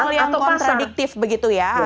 satu hal yang kontradiktif begitu ya